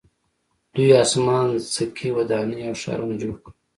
دوی اسمان څکې ودانۍ او ښارونه جوړ کړل.